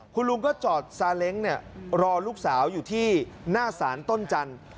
คุณลุงก็จอดซาเล้งรอลูกสาวอยู่ที่หน้าศาลต้นจันทร์